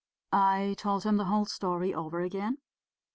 I told him the whole story over again.